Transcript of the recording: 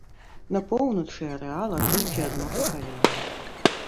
На поўначы арэала толькі адно пакаленне.